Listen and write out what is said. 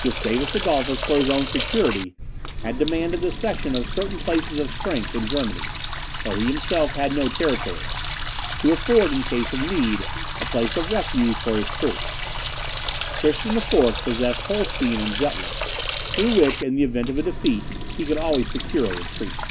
Gustavus Adolphus, for his own security, had demanded the cession of some places of strength in Germany, where he himself had no territories, to afford, in case of need, a place of refuge for his troops. Christian IV. possessed Holstein and Jutland, through which, in the event of a defeat, he could always secure a retreat.